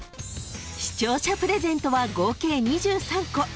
［視聴者プレゼントは合計２３個］